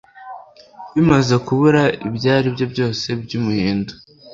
Bimaze kubura ibyaribyo byose byumuhindo